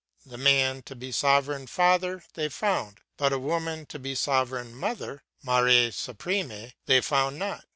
The man to be sovereign Father they found; but a woman to be sovereign Mother, Mère Suprême, they found not.